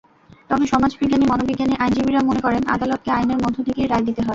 তবে সমাজবিজ্ঞানী, মনোবিজ্ঞানী, আইনজীবীরা মনে করেন, আদালতকে আইনের মধ্য থেকেই রায় দিতে হয়।